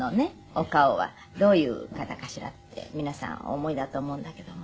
お顔はどういう方かしらって皆さんお思いだと思うんだけども。